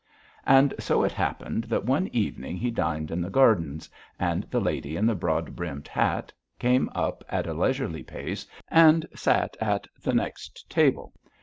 And it so happened that one evening he dined in the gardens, and the lady in the broad brimmed hat came up at a leisurely pace and sat at the next table.